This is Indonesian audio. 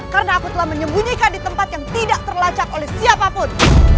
karena aku telah menyembunyikan di tempat yang tidak terlacak oleh siapapun